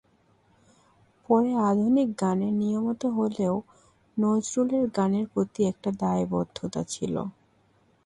পরে আধুনিক গানে নিয়মিত হলেও নজরুলের গানের প্রতি একটা দায়বদ্ধতা ছিল।